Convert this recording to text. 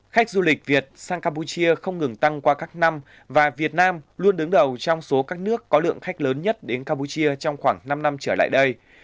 khách du lịch việt sang campuchia không ngừng tăng qua các năm và việt nam luôn đứng đầu trong số các nước có lượng khách lớn nhất đến campuchia trong khoảng năm năm trở lại đây